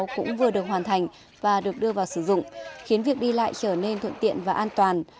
cũng vừa được hoàn thành và được đưa vào sử dụng khiến việc đi lại trở nên thuận tiện và an toàn